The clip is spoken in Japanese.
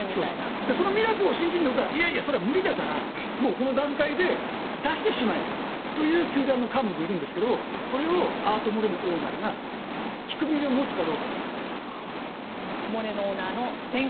そのミラクルを信じるのかいやいや、無理だからもうこの段階で出してしまえと言う球団の幹部もいるんですがそれをモレノオーナーが聞く耳を持つかどうかと。